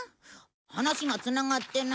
話がつながってない。